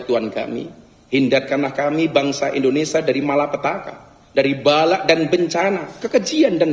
tuhan kami hindatkanlah kami bangsa indonesia dari malapetaka dari balak dan bencana kekejian dan